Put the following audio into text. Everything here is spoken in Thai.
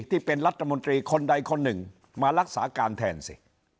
ที่เป็นรัฐมนตรีคนใดคนหนึ่งมารักษาการแทนสิ